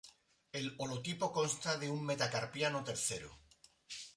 El holotipo consta de un metacarpiano tercero.